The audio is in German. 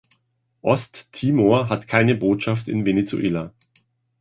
Osttimor hat keine Botschaft in Venezuela.